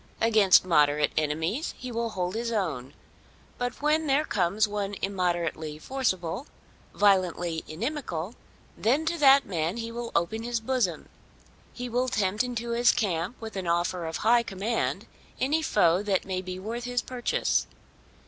Against moderate enemies he will hold his own. But when there comes one immoderately forcible, violently inimical, then to that man he will open his bosom. He will tempt into his camp with an offer of high command any foe that may be worth his purchase.